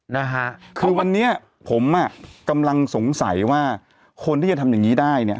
นะฮะคือวันนี้ผมอ่ะกำลังสงสัยว่าคนที่จะทำอย่างงี้ได้เนี่ย